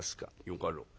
「よかろう。